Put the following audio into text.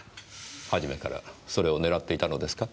初めからそれを狙っていたのですか？